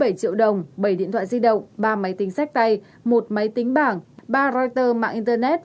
hai trăm bốn mươi bảy triệu đồng bảy điện thoại di động ba máy tính sách tay một máy tính bảng ba writer mạng internet